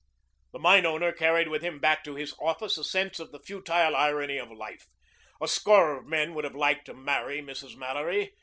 The mine owner carried with him back to his office a sense of the futile irony of life. A score of men would have liked to marry Mrs. Mallory.